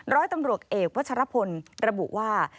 ร้อยตำรวจเอกวัชรพลระบุว่า